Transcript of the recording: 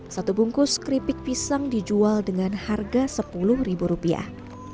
satu bungkus keripik pisang dijual dengan harga sepuluh ribu rupiah